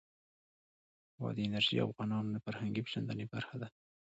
بادي انرژي د افغانانو د فرهنګي پیژندنې برخه ده.